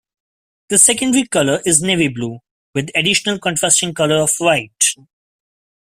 The secondary colour is navy blue, with additional contrasting colour of white.